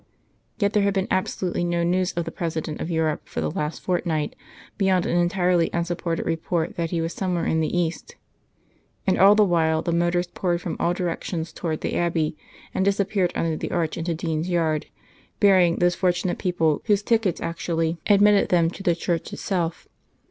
Yet there had been absolutely no news of the President of Europe for the last fortnight, beyond an entirely unsupported report that he was somewhere in the East. And all the while the motors poured from all directions towards the Abbey and disappeared under the arch into Dean's Yard, bearing those fortunate persons whose tickets actually admitted them to the church itself.